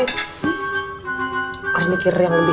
harus mikir yang lebih